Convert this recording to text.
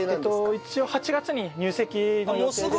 一応８月に入籍の予定で。